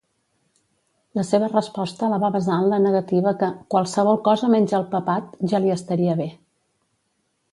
La seva resposta la va basar en la negativa que 'qualsevol cosa menys el papat' ja li estaria bé.